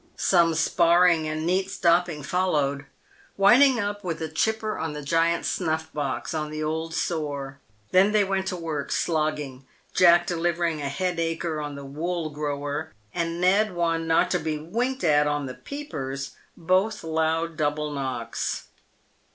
Some sparring and neat stopping followed, wind ing up with a chipper on the giant's " snuff box," on the old sore. Then they went to work slogging, Jack delivering a " head acher" on the "wool grower," and Ned one not to be winked at on the "peepers," both loud double knocks.